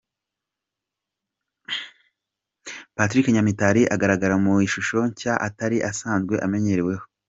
Patrick Nyamitari agaragara mu ishusho nshya atari asanzwe amenyereweho.